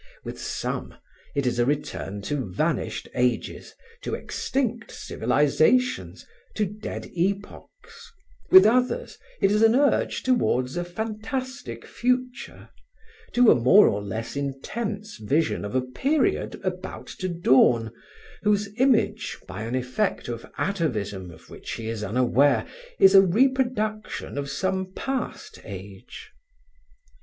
With some, it is a return to vanished ages, to extinct civilizations, to dead epochs; with others, it is an urge towards a fantastic future, to a more or less intense vision of a period about to dawn, whose image, by an effect of atavism of which he is unaware, is a reproduction of some past age.